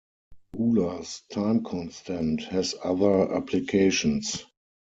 Schuler's time constant has other applications.